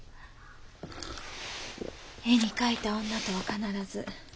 絵に描いた女とは必ず。